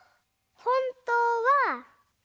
ほんとうは。